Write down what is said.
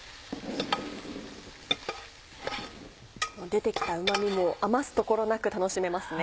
出てきたうま味も余すところなく楽しめますね。